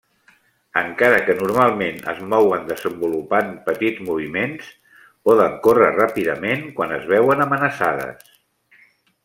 Encara que normalment es mouen desenvolupant petits moviments, poden córrer ràpidament quan es veuen amenaçades.